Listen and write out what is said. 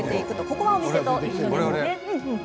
ここはお店と一緒ですね。